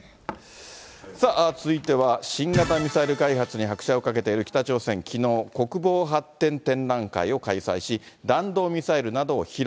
さあ、続いては、新型ミサイル開発に拍車をかけている北朝鮮、きのう、国防発展展覧会を開催し、弾道ミサイルなどを披露。